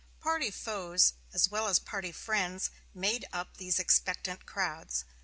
Party foes as well as party friends made up these expectant crowds.